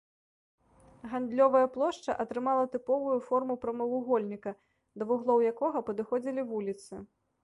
Гандлёвая плошча атрымала тыповую форму прамавугольніка, да вуглоў якога падыходзілі вуліцы.